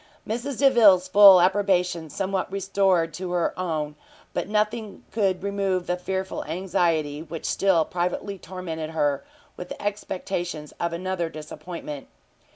Mrs Delvile's full approbation somewhat restored to her her own, but nothing could remove the fearful anxiety, which still privately tormented her with expectations of another disappointment.